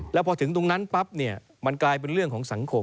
แล้วพอถึงตรงนั้นปั๊บเนี่ยมันกลายเป็นเรื่องของสังคม